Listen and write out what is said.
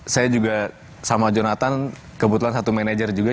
saya juga sama jonathan kebetulan satu manajer juga